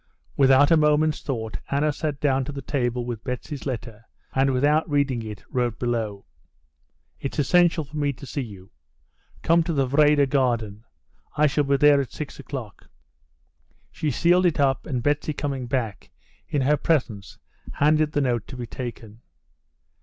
Without a moment's thought, Anna sat down to the table with Betsy's letter, and, without reading it, wrote below: "It's essential for me to see you. Come to the Vrede garden. I shall be there at six o'clock." She sealed it up, and, Betsy coming back, in her presence handed the note to be taken.